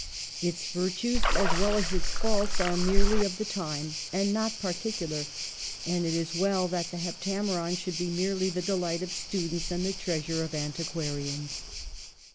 Its virtues, as well as its faults, are merely of the time, and not particular ; and it is well that the '' Heptameron " should be merely the delight of students and the treasure of antiquarians.